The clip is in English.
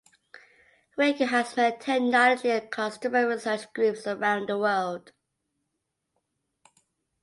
Ricoh has many technology- and customer-research groups around the world.